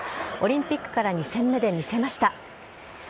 オリンピックから２戦目で見せました。